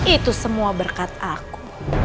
itu semua berkat aku